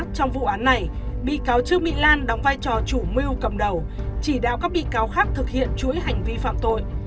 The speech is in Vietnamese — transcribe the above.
trong vụ án này bị cáo trương mỹ lan đóng vai trò chủ mưu cầm đầu chỉ đạo các bị cáo khác thực hiện chuỗi hành vi phạm tội